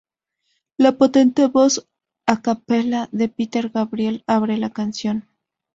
La potente voz a cappella de Peter Gabriel abre la canción.